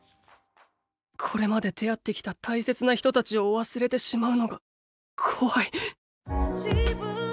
これまで出会ってきた大切な人たちを忘れてしまうのが怖い。